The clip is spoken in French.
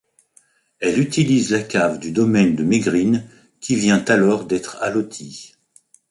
Elle utilise la cave du domaine de Mégrine qui vient alors d'être alloti.